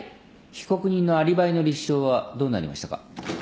被告人のアリバイの立証はどうなりましたか？